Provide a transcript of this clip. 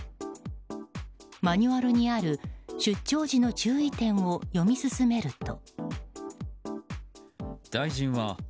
マニュアルにある出張時の注意点を読み進めると。